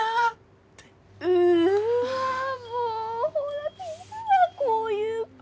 うわもうほらいるわこういう子。